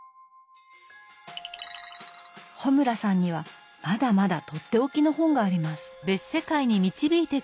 穂村さんにはまだまだとっておきの本があります。